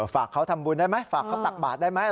ฝากเขาทำบุญได้ไหมฝากเขาตักบาทได้ไหม